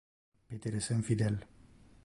Peter es infidel.